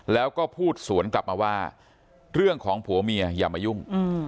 แล้วก็พูดสวนกลับมาว่าเรื่องของผัวเมียอย่ามายุ่ง